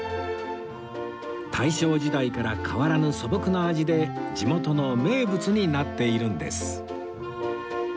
大正時代から変わらぬ素朴な味で地元の名物になっているんです